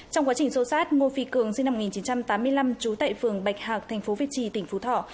trong quá trình xô xát ngô phi cường sinh năm một nghìn chín trăm tám mươi năm trú tại phường bạch hạc thành phố việt trì tỉnh phú thọ